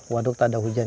waduk tak ada hujan